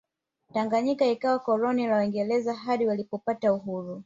tanganyika ikawa koloni la waingereza hadi walipopata uhuru